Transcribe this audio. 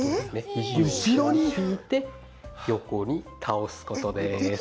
肘を後ろに引いて横に倒すことです。